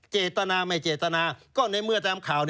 เจตนาไม่เจตนา